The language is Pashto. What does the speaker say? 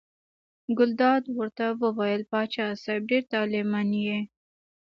ګلداد ورته وویل: پاچا صاحب ډېر طالع من یې.